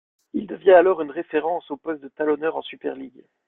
Il devient alors une référence au poste de talonneur en Super League.